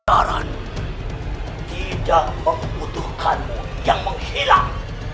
sekarang tidak membutuhkanmu yang menghilang